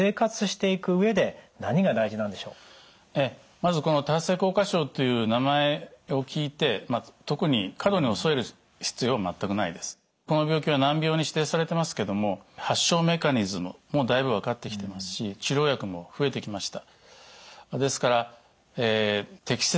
まずこの多発性硬化症という名前を聞いて特にこの病気は難病に指定されてますけども発症メカニズムもうだいぶ分かってきてますし治療薬も増えてきました。